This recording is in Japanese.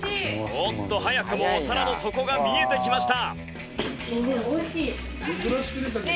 おっと早くもお皿の底が見えてきました。